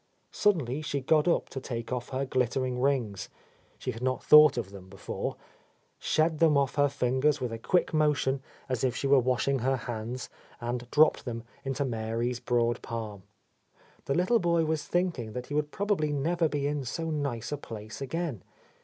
Suddenly she got up to take off her glittering rings, — she had not thought of them before, — shed them off her fingers with a quick motion as if she were washing her hands, and dropped them into Mary's broad palm. The little boy was thinking that he would probably never be in so nice a place again.